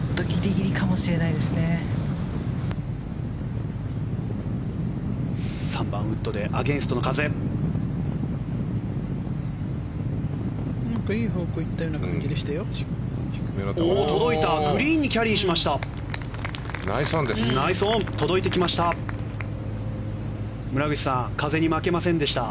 グリーンにキャリーしました。